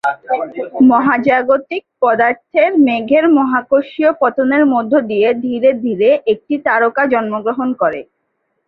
মহাজাগতিক পদার্থের মেঘের মহাকর্ষীয় পতনের মধ্য দিয়ে ধীরে ধীরে একটি তারকা জন্মগ্রহণ করে।